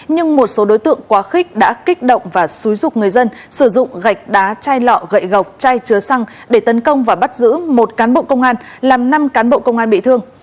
nhưng một số đối tượng quá khích đã kích động và xúi dục người dân sử dụng gạch đá chai lọ gậy gọc chai chứa xăng để tấn công và bắt giữ một cán bộ công an làm năm cán bộ công an bị thương